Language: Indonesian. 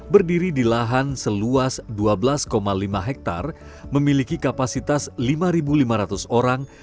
berdiri di lahan seluas dua belas lima hektare memiliki kapasitas lima lima ratus orang